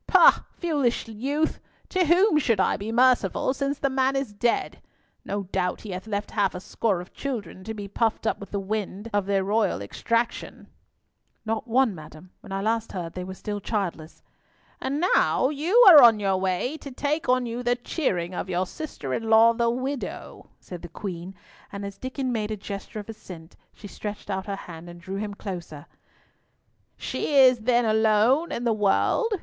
"Pah! foolish youth, to whom should I be merciful since the man is dead? No doubt he hath left half a score of children to be puffed up with the wind of their royal extraction." "Not one, madam. When last I heard they were still childless." "And now you are on your way to take on you the cheering of your sister in law, the widow," said the Queen, and as Diccon made a gesture of assent, she stretched out her hand and drew him nearer. "She is then alone in the world.